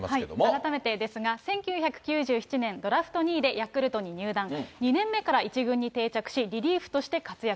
改めてですが１９９７年、ドラフト２位でヤクルトに入団、２年目から１軍に定着し、リリーフとして活躍。